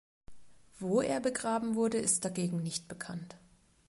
Wo er begraben wurde, ist dagegen nicht bekannt.